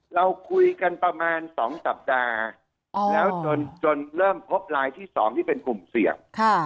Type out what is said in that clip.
เราคุยกันประมาณ๒สัปดาห์แล้วจนเริ่มพบลายที่๒ที่เป็นกลุ่มเสี่ยง